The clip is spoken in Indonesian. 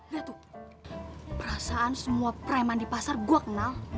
lihat tuh perasaan semua preman di pasar gue kenal